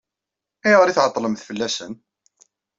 Ayɣer i tɛeṭṭlemt fell-asen?